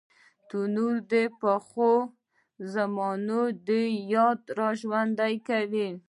تنور د پخوا زمانې یاد راژوندي کوي